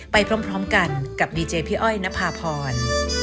ไปพร้อมกันกับดีเจพี่อ้อยนภาพร